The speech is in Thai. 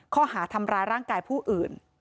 ข้อหาทำร้ายร่างกายผู้อื่น